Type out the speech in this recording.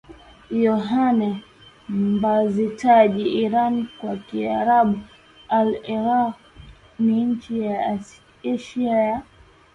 Yohane Mbatizaji Iraq kwa Kiarabu alʿIrāq ni nchi ya Asia ya